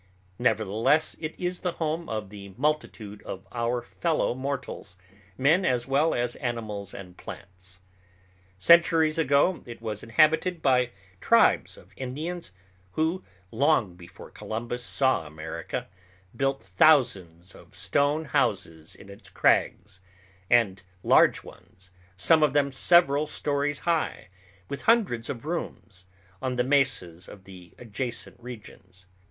Nevertheless it is the home of the multitude of our fellow mortals, men as well as animals and plants. Centuries ago it was inhabited by tribes of Indians, who, long before Columbus saw America, built thousands of stone houses in its crags, and large ones, some of them several stories high, with hundreds of rooms, on the mesas of the adjacent regions.